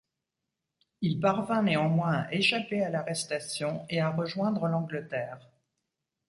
Il parvint néanmoins à échapper à l'arrestation et à rejoindre l'Angleterre.